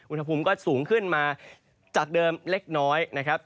อุณหภูมิก็สูงขึ้นมาจากเดิมเล็กน้อยนะครับ